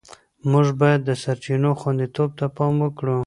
موږ باید د سرچینو خوندیتوب ته پام وکړو.